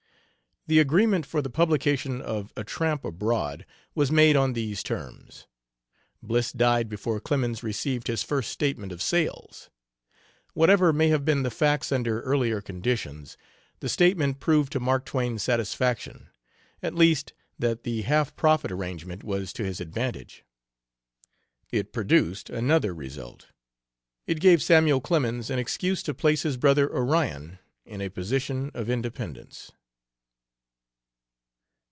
The agreement for the publication of 'A Tramp Abroad' was made on these terms. Bliss died before Clemens received his first statement of sales. Whatever may have been the facts under earlier conditions, the statement proved to Mark Twain's satisfaction; at least, that the half profit arrangement was to his advantage. It produced another result; it gave Samuel Clemens an excuse to place his brother Onion in a position of independence.